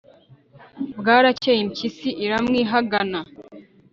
Bwaracyeye imbyisi iramwihagana